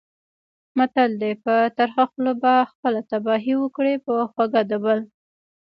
متل دی: په ترخه خوله به خپله تباهي وکړې، په خوږه د بل.